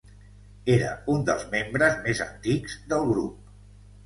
Era un dels membres més antics del grup.